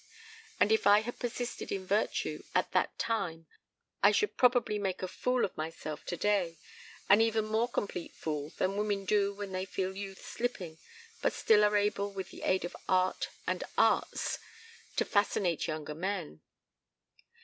... And if I had persisted in virtue at that time I should probably make a fool of myself today, an even more complete fool than women do when they feel youth slipping but still are able with the aid of art and arts to fascinate younger men.